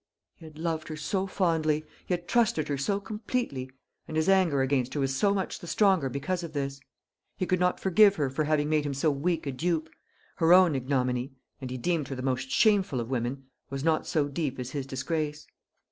He had loved her so fondly, he had trusted her so completely; and his anger against her was so much the stronger because of this. He could not forgive her for having made him so weak a dupe. Her own ignominy and he deemed her the most shameful of women was not so deep as his disgrace.